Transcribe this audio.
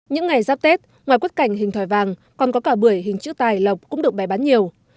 những ngày giáp tết ngoài quất cảnh hình thòi vàng còn có cả bưởi hình chữ tài lọc cũng được bày bán nhiều